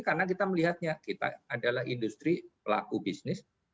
karena kita melihatnya kita adalah industri pelaku bisnis